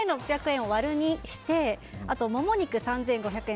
単純に５６００円を割る２してもも肉３４００円